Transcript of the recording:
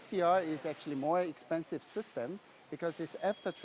scr adalah sistem yang lebih mahal